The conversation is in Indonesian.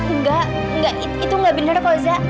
enggak itu enggak benar koza